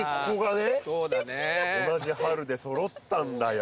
同じ「春」で揃ったんだよ